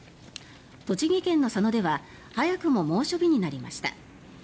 栃木県の佐野では早くも猛暑日になりました。